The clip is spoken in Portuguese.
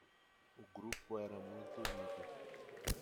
O grupo era muito unido